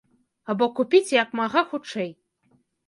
Або купіць як мага хутчэй.